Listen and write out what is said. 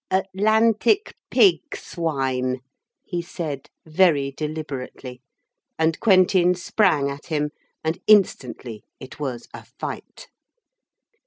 'Atlantic pig swine,' he said very deliberately. And Quentin sprang at him, and instantly it was a fight.